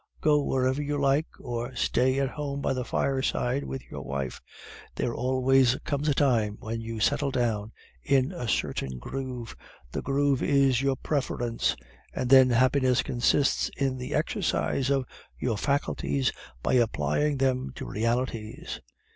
Go wherever you like, or stay at home by the fireside with your wife, there always comes a time when you settle down in a certain groove, the groove is your preference; and then happiness consists in the exercise of your faculties by applying them to realities.